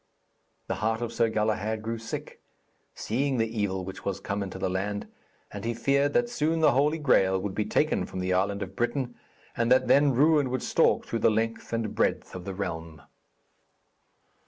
The heart of Sir Galahad grew sick, seeing the evil which was come into the land, and he feared that soon the Holy Graal would be taken from the island of Britain, and that then ruin would stalk throughout the length and breadth of the realm.